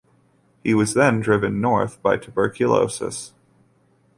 He was then driven north by tuberculosis.